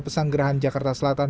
pesang gerahan jakarta selatan